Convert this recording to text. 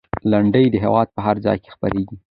لنډۍ د هېواد په هر ځای کې خپرېږي.